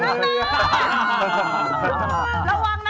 น้ำน้ำ